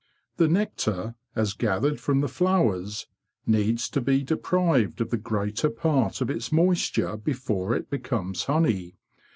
The nectar, as gathered from the flowers, needs to be deprived of the greater part of its moisture before it becomes honey.